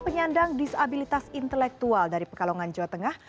penyandang disabilitas intelektual dari pekalongan jawa tengah